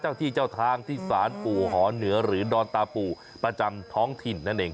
เจ้าที่เจ้าทางที่สารปู่หอเหนือหรือดอนตาปู่ประจำท้องถิ่นนั่นเอง